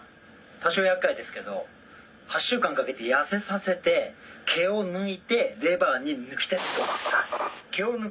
多少やっかいですけど８週間かけて痩せさせて毛を抜いてレバーに貫手ズドーンです。